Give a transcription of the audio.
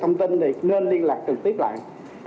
thông tin thì nên liên lạc trực tiếp lại